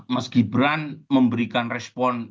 mas gibran memberikan respon